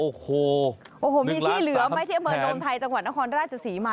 โอ้โหมีที่เหลือไหมที่เมอร์โดมไทยจังหวัดนครราชสีมา